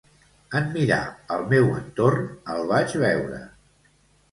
En mirar al meu entorn, el vaig veure.